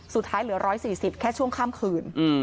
สุดท้ายเหลือร้อยสี่สิบแค่ช่วงข้ามคืน